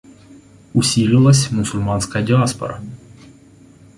Усилилась мусульманская диаспора.